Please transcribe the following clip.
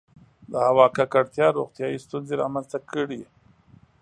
• د هوا ککړتیا روغتیایي ستونزې رامنځته کړې.